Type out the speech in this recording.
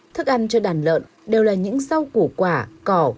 thức ăn cho đàn lợn đều là những rau củ quả cỏ